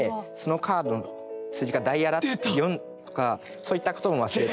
そういったことも忘れて。